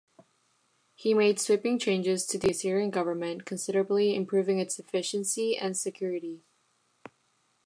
He made sweeping changes to the Assyrian government, considerably improving its efficiency and security.